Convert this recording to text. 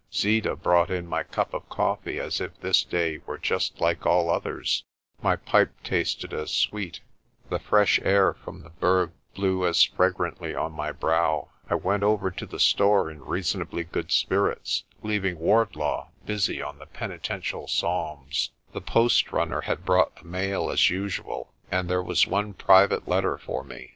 Zeeta brought in my cup of coffee as if this day were just like all others, my pipe tasted as sweet, the fresh air from THE DRUMS BEAT AT SUNSET 85 the Berg blew as fragrantly on my brow. I went over to the store in reasonably good spirits, leaving Wardlaw busy on the penitential Psalms. The post runner had brought the mail as usual, and there was one private letter for me.